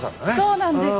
そうなんです。